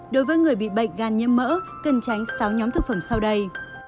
đối với người bị bệnh gan nhiễm mỡ cần tránh sáu nhóm thực phẩm sau đây